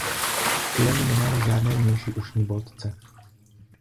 Tuleni nemají žádné vnější ušní boltce.